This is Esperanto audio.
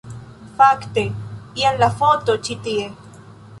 Fakte, jen la foto ĉi tie